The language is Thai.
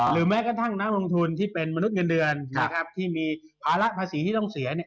แม้กระทั่งนักลงทุนที่เป็นมนุษย์เงินเดือนนะครับที่มีภาระภาษีที่ต้องเสีย